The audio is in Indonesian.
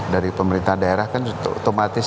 dari pemerintah daerah kan otomatis